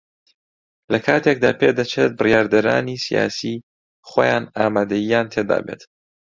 لە کاتێکدا پێدەچێت بڕیاردەرانی سیاسی خۆیان ئامادەیییان تێدا بێت